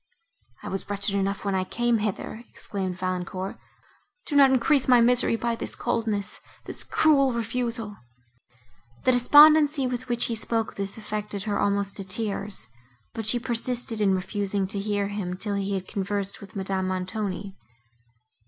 "I was wretched enough when I came hither," exclaimed Valancourt, "do not increase my misery by this coldness—this cruel refusal." The despondency, with which he spoke this, affected her almost to tears, but she persisted in refusing to hear him, till he had conversed with Madame Montoni.